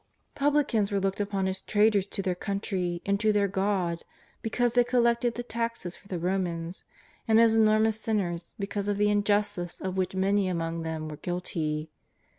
Publicans were looked upon as traitors to their country and to their God, because they collected the taxes for the Romans, and as enormous sinners be cause of the injustice of which many among them were guilty.